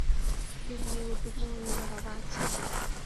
Ring নিয়ে, উদ্বিগ্ন হইয়ো না, বাবা, আচ্ছা?